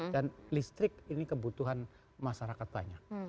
dan listrik ini kebutuhan masyarakat banyak